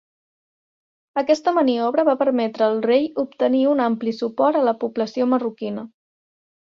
Aquesta maniobra va permetre al rei obtenir un ampli suport de la població marroquina.